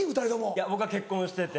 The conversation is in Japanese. いや僕は結婚してて。